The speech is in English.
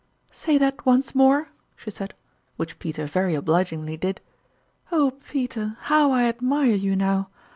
" Say that once more," she said ; which Peter very obligingly did. " Oh, Peter, how I ad mire you now